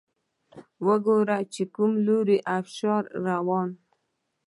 وګوره چې کوم لوری ابشار روان